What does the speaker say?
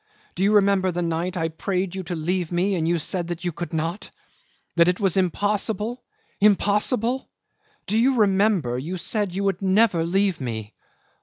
Do you remember the night I prayed you to leave me, and you said that you could not? That it was impossible! Impossible! Do you remember you said you would never leave me?